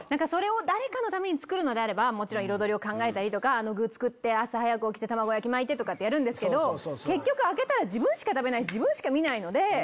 誰かのために作るのであればもちろん彩りを考えたりとかあの具作って朝早く起きて卵焼き巻いてとかやるけど結局自分しか食べないし自分しか見ないので。